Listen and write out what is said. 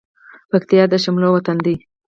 پکتيا د شملو وطن ده